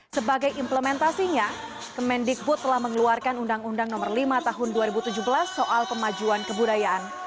sebagai implementasinya kemendikbud telah mengeluarkan undang undang nomor lima tahun dua ribu tujuh belas soal pemajuan kebudayaan